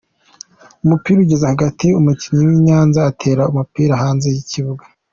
Umupira ugeze hagati umukinnyi w’i Nyanza atera umupira hanze y’ikibuga.